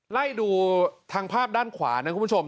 ไล่ดูทางภาพด้านขวานะคุณผู้ชม